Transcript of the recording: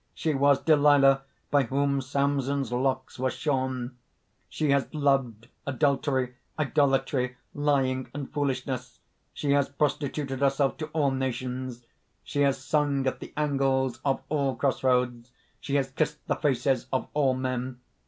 She was Delilah, by whom Samson's locks were shorn.... She has loved adultery, idolatry, lying and foolishness. She has prostituted herself to all nations. She has sung at the angles of all cross roads. She has kissed the faces of all men.